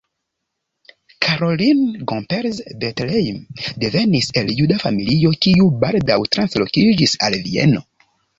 Caroline Gomperz-Bettelheim devenis el juda familio, kiu baldaŭ translokiĝis al Vieno.